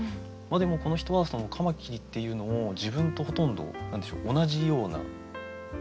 でもこの人はカマキリっていうのを自分とほとんど同じような。